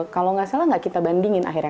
kalau nggak salah nggak kita bandingin akhirnya